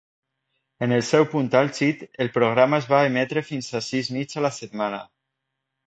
En el seu punt àlgid, el programa es va emetre fins a sis nits a la setmana.